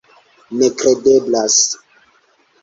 Nekredeblas.